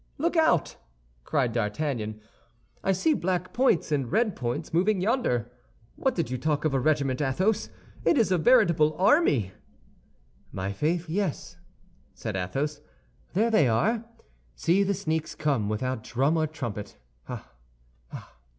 "Look out!" cried D'Artagnan, "I see black points and red points moving yonder. Why did you talk of a regiment, Athos? It is a veritable army!" "My faith, yes," said Athos; "there they are. See the sneaks come, without drum or trumpet. Ah, ah!